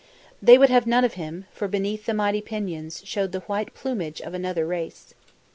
"They would have none of him, for beneath the mighty pinions showed the white plumage of another race.